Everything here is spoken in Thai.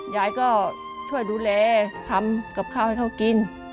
ยายก็ช่วยดูแลทำกับข้าวให้เขากิน